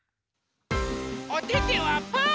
おててはパー。